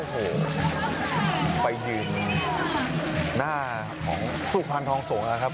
อ้อโหไปหยืนหน้าของสุภัณฑ์ทองสงศ์ล่ะครับ